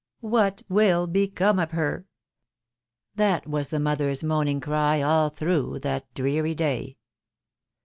"What will become of her?" that was the mother's moaning cry all through that dreary day.